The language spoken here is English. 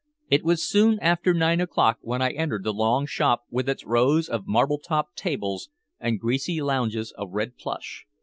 It was soon after nine o'clock when I entered the long shop with its rows of marble topped tables and greasy lounges of red plush.